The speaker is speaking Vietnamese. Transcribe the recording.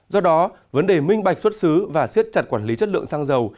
do đó vấn đề minh bạch xuất xứ và siết chặt quản lý chất lượng xăng dầu